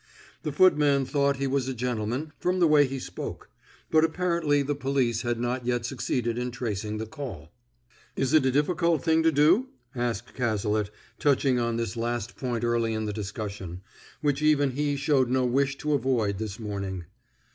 The footman thought he was a gentleman, from the way he spoke. But apparently the police had not yet succeeded in tracing the call. "Is it a difficult thing to do?" asked Cazalet, touching on this last point early in the discussion, which even he showed no wish to avoid this morning.